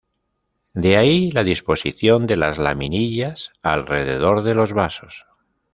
De ahí la disposición de las laminillas alrededor de los vasos.